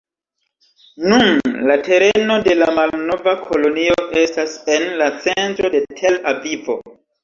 Nun, la tereno de la malnova kolonio estas en la centro de Tel-Avivo.